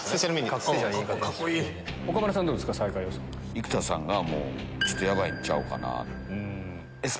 生田さんがヤバいんちゃうかな。